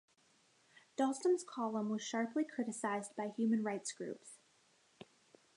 Dostum's column was sharply criticised by human rights groups.